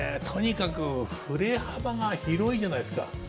とにかく振れ幅が広いじゃないですか。